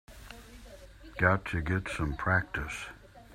Got to get some practice.